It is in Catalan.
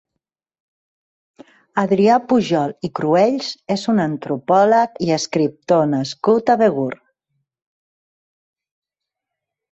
Adrià Pujol i Cruells és un antropòleg i escriptor nascut a Begur.